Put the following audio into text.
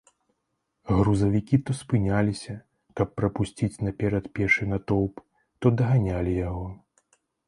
Грузавікі то спыняліся, каб прапусціць наперад пешы натоўп, то даганялі яго.